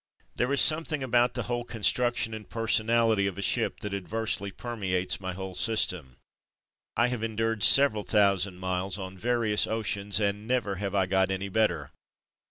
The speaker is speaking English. There is something about the whole con struction and personality of a ship that adversely permeates my whole system. I have endured several thousand miles on various oceans, and never have I got any better.